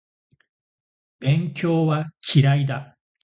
勉強は嫌いだ